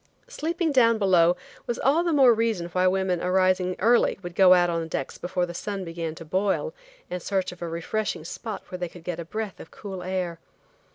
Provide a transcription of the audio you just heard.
Sleeping down below was all the more reason why women arising early would go on the decks before the sun began to boil in search of a refreshing spot where they could get a breath of cool air.